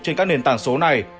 trên các nền tảng số này